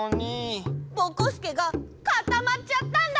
ぼこすけがかたまっちゃったんだ！